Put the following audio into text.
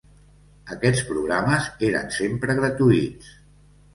Aquests programes eren sempre gratuïts.